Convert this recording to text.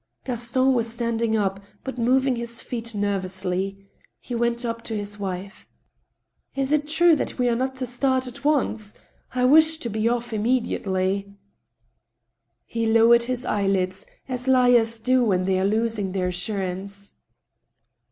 Gaston was standing up, but moving his feet nervously. He went up to his wife. " Is it true that we are not to start at once ? I wish to be off immediately." He lowered his eyelids, as liars do when they are losing their assurance.